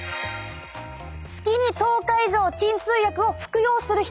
月に１０日以上鎮痛薬を服用する人！